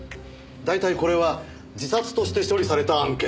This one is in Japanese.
大体これは自殺として処理された案件だ。